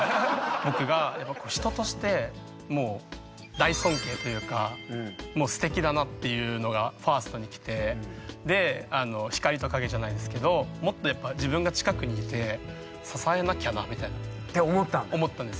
僕がやっぱ人としてもう大尊敬というかもうすてきだなっていうのがファーストにきてで光と影じゃないですけどもっとやっぱ自分が近くにいて支えなきゃなみたいな。って思ったんだ？